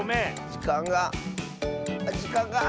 じかんがじかんがあ！